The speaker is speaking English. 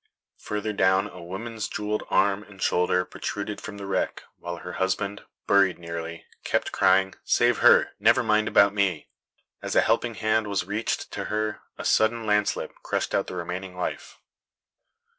Further down a woman's jewelled arm and shoulder protruded from the wreck, while her husband, buried nearly, kept crying "save her, never mind about me." As a helping hand was reached to her a sudden landslip crushed out the remaining life.